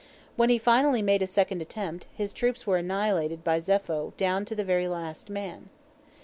When he finally made a second attempt, his troops were annihilated by Zepho down to the very last man.